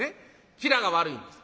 吉良が悪いんです。